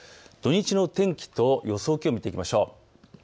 土日の天気と予想気温を見てみましょう。